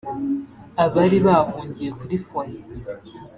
Abari bahungiye kuri Foyer